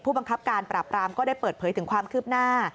บังคับการปราบรามก็ได้เปิดเผยถึงความคืบหน้า